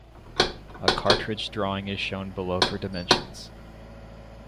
A cartridge drawing is shown below for dimensions.